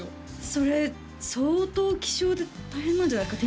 それ相当希少で大変なんじゃないですか？